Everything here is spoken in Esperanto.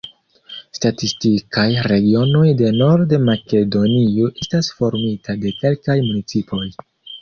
Statistikaj regionoj de Nord-Makedonio estas formita de kelkaj municipoj.